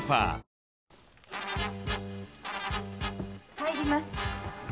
入ります。